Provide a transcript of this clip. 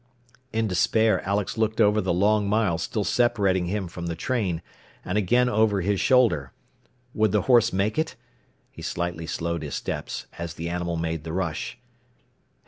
In despair Alex looked over the long mile still separating him from the train, and again over his shoulder. Would the horse make it? He slightly slowed his steps as the animal made the rush.